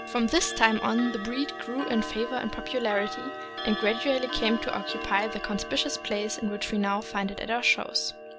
From this time on the breed grew in favor and in popularity, and grad ually came to occupy the conspicuous place in which we now find it at our shows.